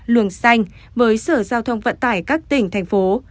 luồng xanh với sở giao thông vận tải các tỉnh thành phố